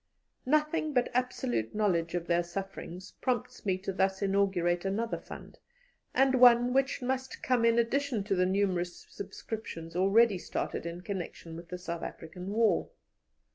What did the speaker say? Nothing but absolute knowledge of their sufferings prompts me to thus inaugurate another fund, and one which must come in addition to the numerous subscriptions already started in connection with the South African War.